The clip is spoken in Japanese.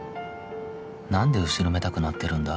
なんで後ろめたくなってるんだ？